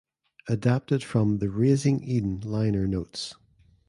Adapted from the "Razing Eden" liner notes.